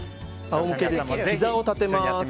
まずひざを立てます。